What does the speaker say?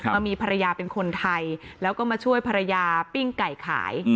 มามีภรรยาเป็นคนไทยแล้วก็มาช่วยภรรยาปิ้งไก่ขาย